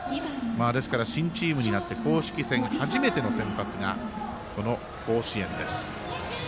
ですから、新チームになって公式戦初めての先発がこの甲子園です。